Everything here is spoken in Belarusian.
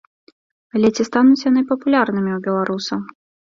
Але ці стануць яны папулярнымі ў беларусаў?